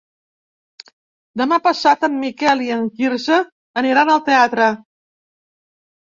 Demà passat en Miquel i en Quirze aniran al teatre.